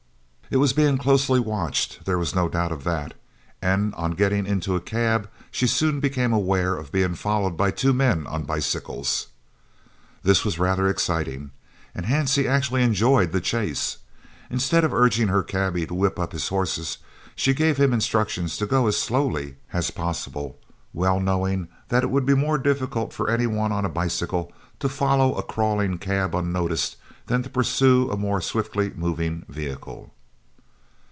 It was being closely watched, there was no doubt of that, and on getting into a cab she soon became aware of being followed by two men on bicycles. This was rather exciting, and Hansie actually enjoyed the chase. Instead of urging her cabby to whip up his horses, she gave him instructions to go as slowly as possible, well knowing that it would be more difficult for any one on a bicycle to follow a crawling cab unnoticed than to pursue a more swiftly moving vehicle.